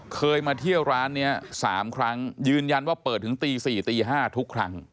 เคยมาเที่ยวร้านนี้๓ครั้งยืนยันว่าเปิดถึงตี๔ตี๕ทุกครั้ง